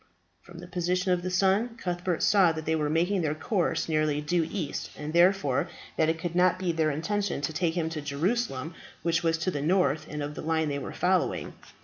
From the position of the sun, Cuthbert saw that they were making their course nearly due east, and therefore that it could not be their intention to take him to Jerusalem, which was to the north of the line they were following.